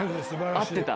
合ってた？